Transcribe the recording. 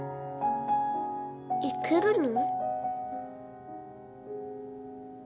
行けるの？